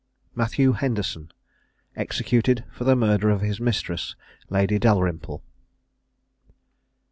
MATTHEW HENDERSON. EXECUTED FOR THE MURDER OF HIS MISTRESS, LADY DALRYMPLE.